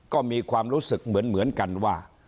ก็มีความรู้สึกเหมือนกันว่า